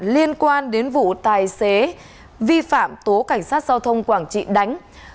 liên quan đến vụ tài xế vi phạm tố cảnh sát giao thông quảng trị đánh